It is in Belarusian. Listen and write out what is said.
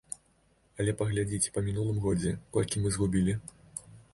Але паглядзіце па мінулым годзе, колькі мы згубілі.